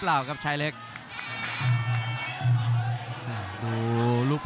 และอัพพิวัตรสอสมนึก